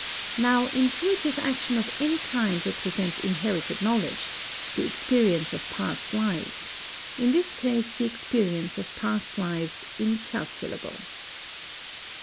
Now intuitive action of any kind represents inherited knowledge, the experience of past lives, in this case the experience of past lives incalculable.